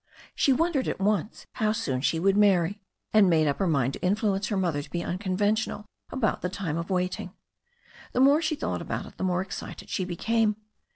She wondered at once how soon she would marry, and made up her mind to influ ence her mother to be unconventional about the time of waiting. The more she thought about it the more excited she became.